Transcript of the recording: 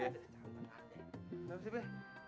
kenapa sih be